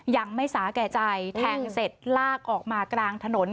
ยังไม่สาแก่ใจแทงเสร็จลากออกมากลางถนน